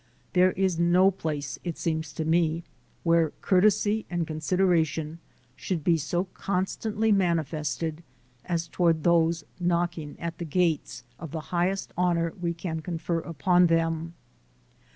There is no place, it seems to me, where courtesy and consideration should be so constantly manifested as toward those "knocking at the gates" of the highest honor we can confer upon them.